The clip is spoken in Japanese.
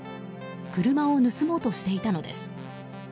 車を盗もうとしていたのです。